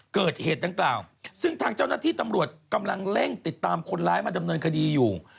เกิดเหตุดังกล่าวซึ่งทางเจ้าหน้าที่ตำรวจกำลังเร่งติดตามคนร้ายมาดำเนินคดีอยู่